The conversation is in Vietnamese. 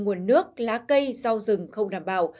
nguồn nước lá cây rau rừng không đảm bảo